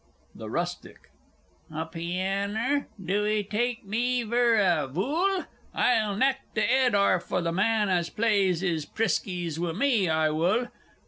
THE RUSTIC. A pianner? Do 'ee take me vur a vool? I'll knack th' 'ed arf o' the man as plays 'is priskies wi' me, I wull!